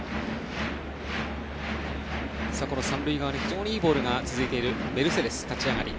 三塁側に非常にいいボールが続いているメルセデスの立ち上がり。